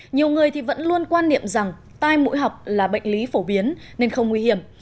nhiều người thì vẫn luôn quan niệm rằng tai mũi họng là bệnh lý phổ biến nên không nguy hiểm